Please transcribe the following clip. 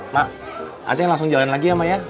mak aceh langsung jalan lagi ya mak ya